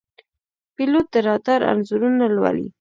پیلوټ د رادار انځورونه لولي.